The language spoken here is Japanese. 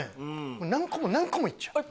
何個も何個も行っちゃう。